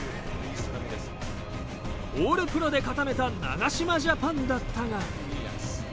オールプロで固めた長嶋ジャパンだったが。